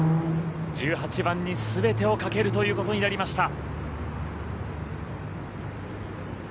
１８番にすべてをかけるということになりました。